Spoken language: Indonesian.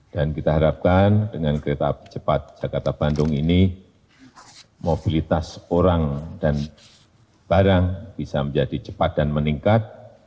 dan kita harapkan dengan kereta api cepat jakarta bandung ini mobilitas orang dan barang bisa menjadi cepat dan meningkat